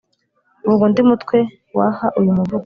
vuga undi mutwe waha uyu muvugo